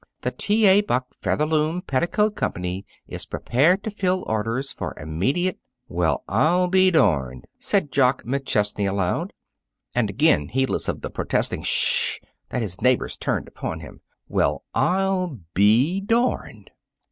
The T. A. Buck Featherloom Petticoat Company is prepared to fill orders for immediate " "Well, I'll be darned!" said Jock McChesney aloud. And, again, heedless of the protesting "Sh sh sh sh!" that his neighbors turned upon him, "Well, I'll be darned!"